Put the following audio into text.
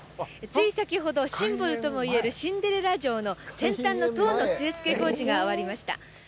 つい先ほどシンボルとも言えるシンデレラ城の先端の塔の据えつけ工事が終わりました